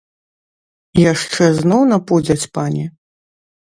Яшчэ зноў напудзяць пані?